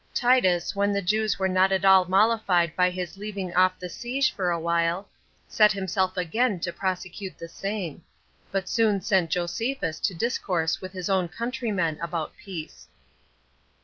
Titus When The Jews Were Not At All Mollified By His Leaving Off The Siege For A While, Set Himself Again To Prosecute The Same; But Soon Sent Josephus To Discourse With His Own Countrymen About Peace.